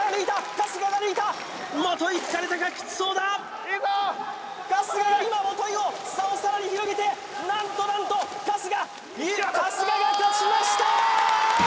春日が抜いた基疲れたかキツそうだ春日が今基を差を更に広げてなんとなんと春日春日が勝ちました！